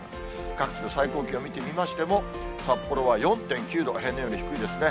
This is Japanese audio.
各地の最高気温見てみましても、札幌は４．９度、平年より低いですね。